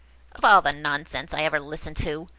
"Of all the nonsense I ever listened to!"